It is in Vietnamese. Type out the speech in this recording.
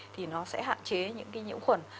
thì nó sẽ hạn chế những cái nhiễm khuẩn